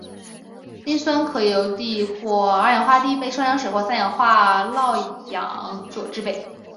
碲酸可由碲或二氧化碲被双氧水或三氧化铬氧化制备。